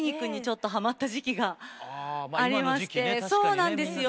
そうなんですよ。